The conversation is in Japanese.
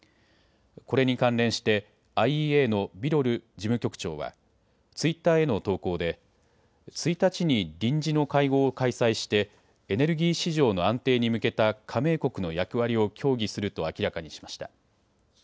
これに関連してＩＥＡのビロル事務局長はツイッターへの投稿で１日に臨時の会合を開催してエネルギー市場の安定に向けた加盟国の役割を協議すると明らかにしました。